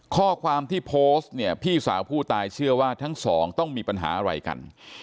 ข้อความที่โพสต์เนี่ยพี่สาวผู้ตายเชื่อว่าทั้งสองต้องมีปัญหาอะไรกัน